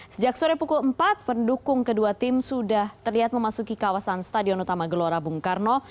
sejak sore pukul empat pendukung kedua tim sudah terlihat memasuki kawasan stadion utama gelora bung karno